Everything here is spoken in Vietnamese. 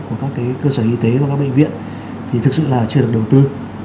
của các cơ sở y tế và các bệnh viện thì thực sự là chưa được đầu tư